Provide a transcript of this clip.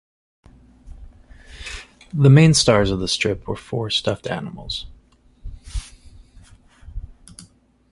The main stars of the strip were four stuffed animals.